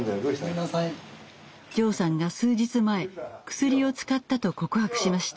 ジョーさんが数日前クスリを使ったと告白しました。